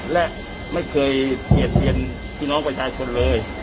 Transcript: และไม่เคยเกียรติเย็นที่น้องประชายคนเลย